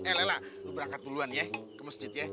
eh lela lu berangkat duluan ya ke masjid ya